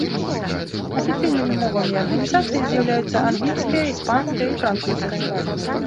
Афіцыйнымі мовамі арганізацыі з'яўляюцца англійская, іспанская і французская.